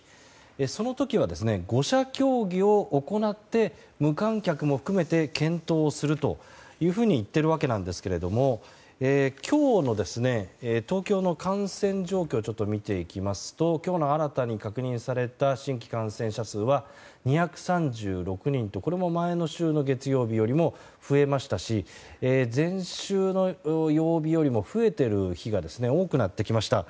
その時は５者協議を行って無観客も含めて検討すると言っていますが今日の東京の感染状況を見ていきますと今日の新たに確認された新規感染者数は２３６人とこれも前の週の月曜日よりも増えましたし前週の曜日よりも増えている日が多くなってきました。